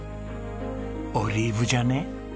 オリーブじゃね？